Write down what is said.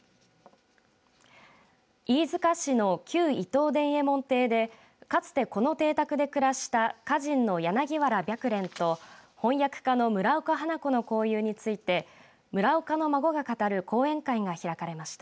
飯塚市の旧伊藤伝右衛門邸でかつて、この邸宅で暮らした歌人の柳原白蓮と翻訳家の村岡花子の交友について村岡の孫が語る講演会が開かれました。